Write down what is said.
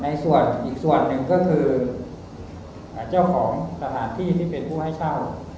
อีกส่วนหนึ่งก็คือเจ้าของสถานที่ที่เป็นผู้ให้เช่า